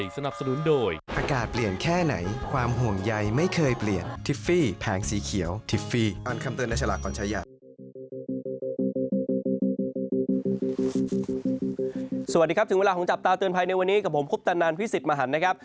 สวัสดีครับถึงเวลาของจับตาเตือนภัยในวันนี้กับผมคุปตันนันพิสิทธิ์มหันนะครับ